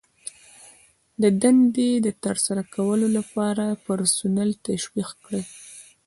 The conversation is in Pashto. د دندې د ترسره کولو لپاره پرسونل تشویق کړئ.